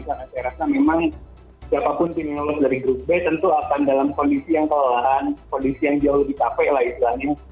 karena saya rasa memang siapapun tim yang lolos dari grup b tentu akan dalam kondisi yang kelelahan kondisi yang jauh lebih capek lah istilahnya